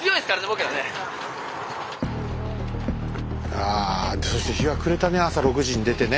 あそして日が暮れたね朝６時に出てね。